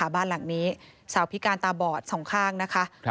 บ้านหลังนี้สาวพิการตาบอดสองข้างนะคะ